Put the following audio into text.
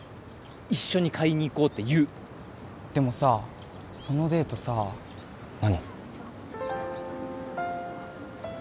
一緒に買いに行こうって言うでもさそのデートさ何？